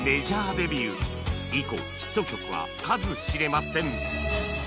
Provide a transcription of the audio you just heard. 以降ヒット曲は数知れません